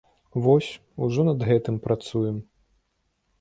Вось, ужо над гэтым працуем.